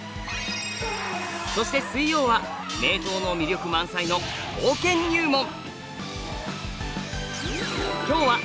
そして水曜は名刀の魅力満載の刀剣入門。